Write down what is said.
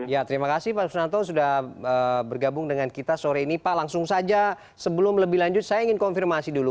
ya terima kasih pak sunanto sudah bergabung dengan kita sore ini pak langsung saja sebelum lebih lanjut saya ingin konfirmasi dulu